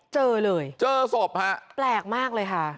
เจอเลยเจอศพฮะแปลกมากเลยค่ะ